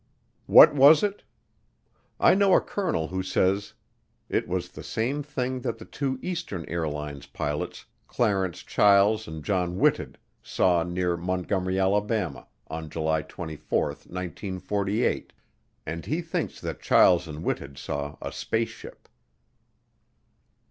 What was it? I know a colonel who says it was the same thing that the two Eastern Airlines' pilots, Clarence Chiles and John Whitted, saw near Montgomery, Alabama, on July 24, 1948, and he thinks that Chiles and Whitted saw a spaceship.